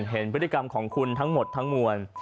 เห็นพฤติกรรมของคุณทั้งหมดทั้งมวล